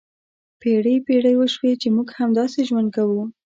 پېړۍ پېړۍ وشوې چې موږ همداسې ژوند کوو.